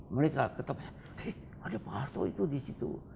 mereka kata eh ada pak harto itu di situ